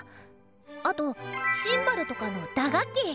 あとシンバルとかの打楽器。